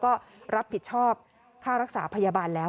ข้อมูลอีกหน่อยนี่นี่นี่นี่นี่ไปหนูว่ะบ๊ายบ๊าย